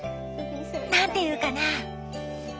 何て言うかな。